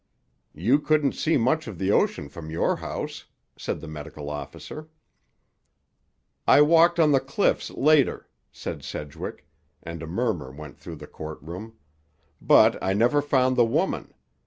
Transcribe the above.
"You couldn't see much of the ocean from your house," said the medical officer. "I walked on the cliffs later," said Sedgwick, and a murmur went through the court room; "but I never found the woman.